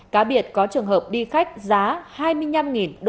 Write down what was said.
cá biệt có trường hợp đi khách giá hai mươi năm usd